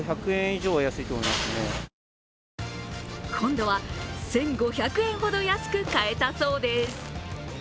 今度は１５００円ほど安く買えたそうです。